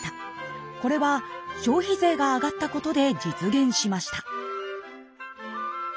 これは消費税が上がったことで実現しました。